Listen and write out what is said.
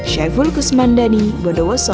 syaiful kusmandani bondowoso